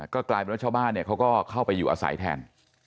ก็กลายเป็นว่าชาวบ้านเขาก็เข้าไปอยู่อาศัยแทน